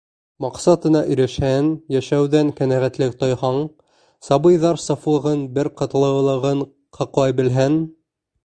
Маҡсатыңа ирешһәң, йәшәүҙән ҡәнәғәтлек тойһаң, сабыйҙар сафлығын, бер ҡатлылығын һаҡлай белһәң...